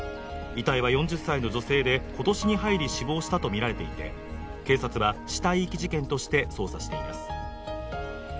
遺体は４０歳の女性で、今年に入り、死亡したとみられていて、警察は死体遺棄事件として捜査しています。